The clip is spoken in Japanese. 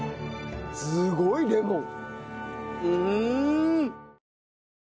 すごいレモン！